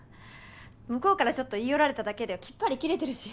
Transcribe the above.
向こうからちょっと言い寄られただけできっぱり切れてるし。